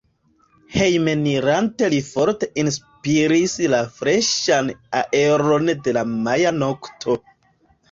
Hejmenirante li forte enspiris la freŝan aeron de la maja nokto.